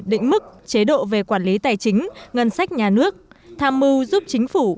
định mức chế độ về quản lý tài chính ngân sách nhà nước tham mưu giúp chính phủ